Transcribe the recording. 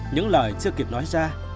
những lời chưa kịp nói ra